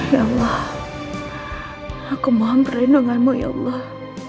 ya allah aku mohon perlindunganmu ya allah